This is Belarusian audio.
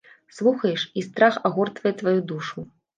Слухаеш, і страх агортвае тваю душу.